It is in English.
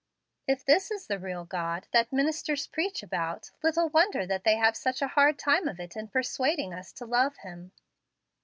If this is the real God that ministers preach about, little wonder that they have such a hard time of it in persuading us to love Him.